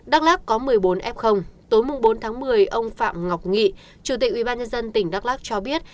đắk lắk có một mươi bốn f tối bốn tháng một mươi ông phạm ngọc nghị chủ tịch ủy ban nhân dân tỉnh đắk lắk cho biết